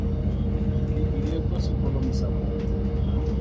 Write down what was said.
Ke ile kwa sekolong sa motse.